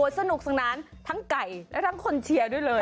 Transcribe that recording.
สนุกสนานทั้งไก่และทั้งคนเชียร์ด้วยเลย